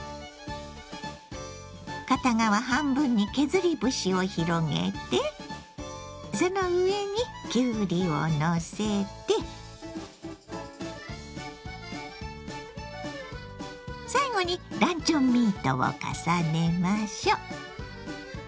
片側半分に削り節を広げてその上にきゅうりをのせて最後にランチョンミートを重ねましょう。